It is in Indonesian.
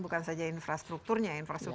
bukan saja infrastrukturnya